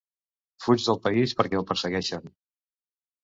Fuig del país perquè el persegueixen.